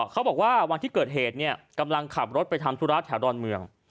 เขาบอกว่าวันที่เกิดเหตุกำลังขับรถไปทำธุระแถวดอนเมือง